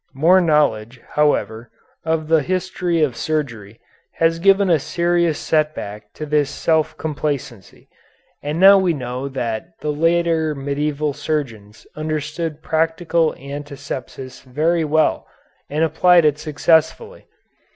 More knowledge, however, of the history of surgery has given a serious set back to this self complacency, and now we know that the later medieval surgeons understood practical antisepsis very well, and applied it successfully.